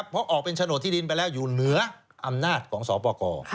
เพราะออกเป็นโฉนดที่ดินไปแล้วอยู่เหนืออำนาจของสอปกร